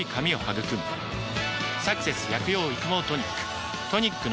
「サクセス薬用育毛トニック」